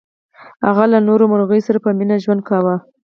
هغه له نورو مرغیو سره په مینه ژوند کاوه.